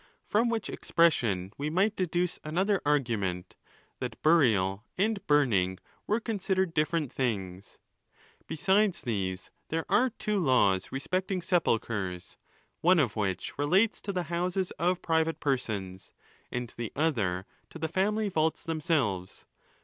From which expression we might deduce another argument, that burial and burning were considered different things. Beside these, there are two laws respecting sepulchres, one of which relates to the houses of private persons, and the other to the family vaults themselves.